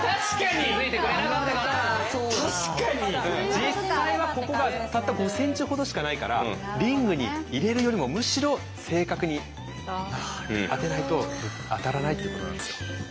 実際はここがたった５ｃｍほどしかないからリングに入れるよりもむしろ正確に当てないと当たらないっていうことなんですよ。